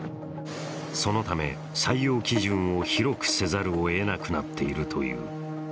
そのため採用基準を広くせざるをえなくなっているという。